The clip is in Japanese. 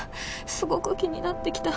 すごく気になってきた。